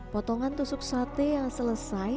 potongan tusuk sate yang selesai